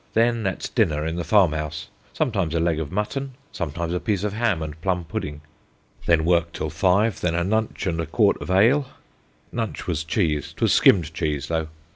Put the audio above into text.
Then at dinner in the farm house; sometimes a leg of mutton, sometimes a piece of ham and plum pudding. Then work till five, then a nunch and a quart of ale. Nunch was cheese, 'twas skimmed cheese though.